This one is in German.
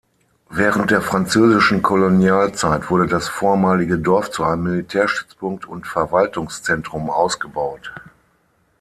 Während der französischen Kolonialzeit wurde das vormalige Dorf zu einem Militärstützpunkt und Verwaltungszentrum ausgebaut.